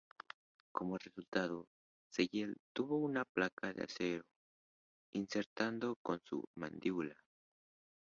Como resultado; Shelley tuvo una placa de acero insertado en su mandíbula.